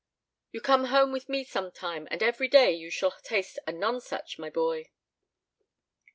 You come home with me some time, and every day you shall taste a nonsuch, my boy."